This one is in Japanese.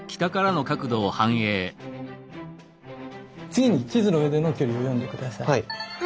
次に地図の上での距離を読んで下さい。